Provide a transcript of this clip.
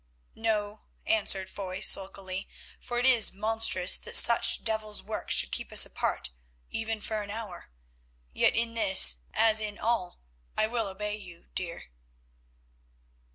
"No," answered Foy sulkily, "for it is monstrous that such devil's work should keep us apart even for an hour. Yet in this, as in all, I will obey you, dear."